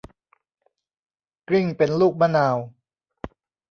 กลิ้งเป็นลูกมะนาว